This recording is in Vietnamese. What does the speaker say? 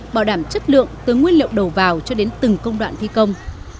bảo đảm chất lượng từ nguyên liệu đầu vào cho đến từng công đoạn thi công